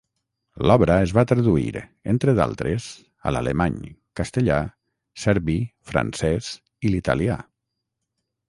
L'obra es va traduir, entre d'altres, a l'alemany, castellà, serbi, francès i l'italià.